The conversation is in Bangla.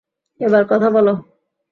এবার কথা বলো।